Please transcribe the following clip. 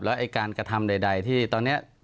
ไอ้การกระทำใดที่ตอนนี้